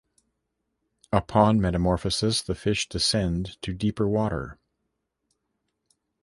Upon metamorphosis, the fish descend to deeper water.